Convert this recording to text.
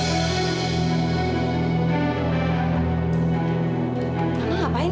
apaan sih beltnya